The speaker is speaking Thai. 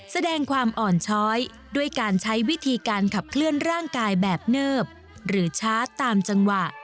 แสดงความอ่อนช้อยด้วยการใช้วิธีการขับเคลื่อนร่างกายแบบเนิบหรือชาร์จตามจังหวะ